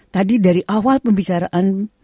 tadi dari awal pembicaraan